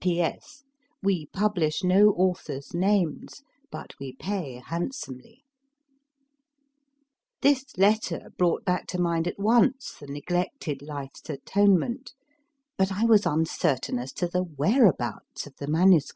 P.S. We publish no authors names, but we pay handsomely. This letter brought back to mind at once the neglected Life s Atonement, but I was uncertain as to the whereabouts of the MS.